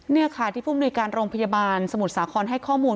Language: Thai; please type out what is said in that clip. นี่ค่ะที่ผู้มนุยการโรงพยาบาลสมุทรสาครให้ข้อมูล